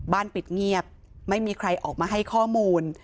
ปิดเงียบไม่มีใครออกมาให้ข้อมูล